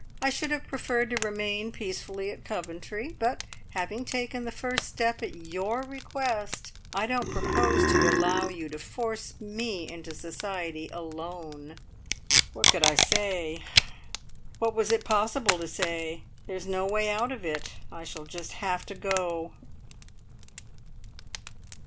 I should have preferred to remain peacefully at Coventry, but having taken the first step at your request, I don't propose to allow you to force me into society alone." What could I say? What was it possible to say? There is no way out of it. I shall just have to go!